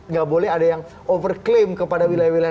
nggak boleh ada yang over claim kepada wilayah wilayah